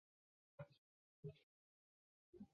下周你那时有空